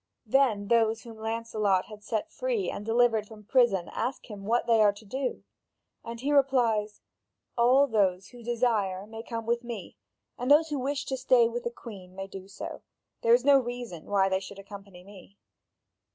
Then those whom Lancelot had set free and delivered from prison ask him what they are to do. And he replies: "All those who desire may come with me, and those who wish to stay with the Queen may do so: there is no reason why they should accompany me."